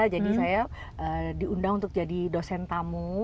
saya diundang untuk jadi dosen tamu